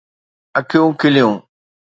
اکيون کُليون